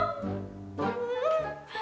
kamu bangun lagi